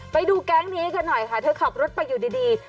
ไปดูแก๊งนี้กันหน่อยค่ะเธอขับรถไปอยู่ดี